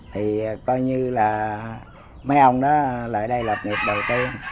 thì coi như là mấy ông đó lại đây lập nghiệp đầu tiên